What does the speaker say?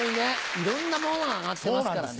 いろんなものが上がってますからね。